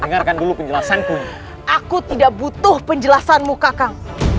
dengarkan dulu penjelasan aku tidak butuh penjelasanmu kakak